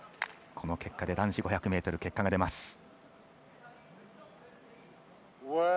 この結果で男子５００ｍ結果が出ます。